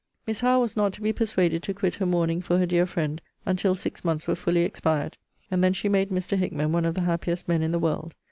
Miss HOWE was not to be persuaded to quit her mourning for her dear friend, until six months were fully expired: and then she made Mr. HICKMAN one of the happiest men in the world.